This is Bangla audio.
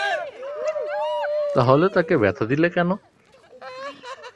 তাহলে তাঁকে ব্যথা দিলে কেন?